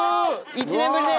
１年ぶりです。